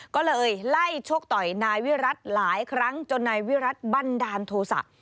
ก็เลยไล่ชกต่อยนายวิรัติหลายครั้งจนนายวิรัติบันดาลโทษะ